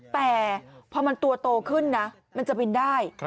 แต่พอมันตัวโตขึ้นนะมันจะบินได้